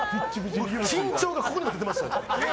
緊張がここにも出てましたよ。